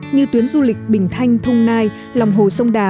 như tuyến du lịch bình thanh thung nai lòng hồ sông đà